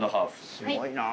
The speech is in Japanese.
すごいな。